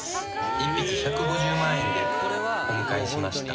１匹１５０万円でお迎えしました。